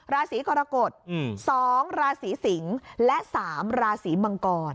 ราศีกรกฎ๒ราศีสิงศ์และ๓ราศีมังกร